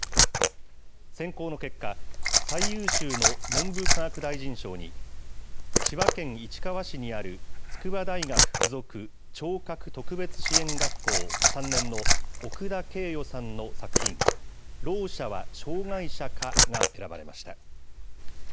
選考の結果、最優秀の文部科学大臣賞に、千葉県市川市にある筑波大学附属聴覚特別支援学校３年の奥田桂世さんの作品、聾者は障害者か？が選ばれました。